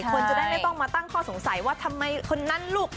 คนจะได้ไม่ต้องมาตั้งข้อสงสัยว่าทำไมคนนั้นลูก